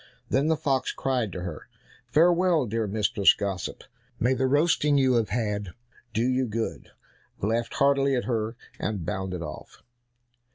Then the fox cried to her, "Farewell, dear Mistress Gossip, may the roasting you have had do you good," laughed heartily at her, and bounded off.